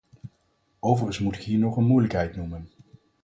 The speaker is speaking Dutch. Overigens moet ik hier nog een moeilijkheid noemen.